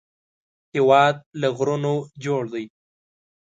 هېواد له غرونو جوړ دی